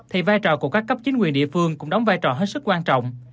thì vai trò của các cấp chính quyền địa phương cũng đóng vai trò hết sức quan trọng